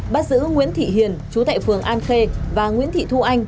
bắt giữ nguyễn thị hiền chú tại phường an khê và nguyễn thị thu anh